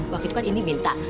waktu itu kan ini minta